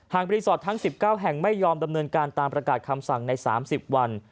รีสอร์ททั้ง๑๙แห่งไม่ยอมดำเนินการตามประกาศคำสั่งใน๓๐วัน